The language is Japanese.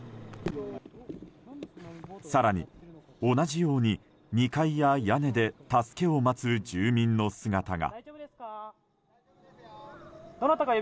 更に、同じように２階や屋根で助けを待つ住民の姿が。